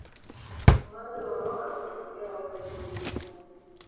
Mwanzo wa mwaka hutokea wakati wa Julai.